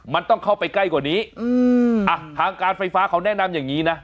มันต้องเข้าไปใกล้กว่านี้อืมอ่ะทางการไฟฟ้าเขาแนะนำอย่างนี้นะ